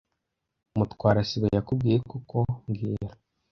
Mutwara sibo yakubwiye koko mbwira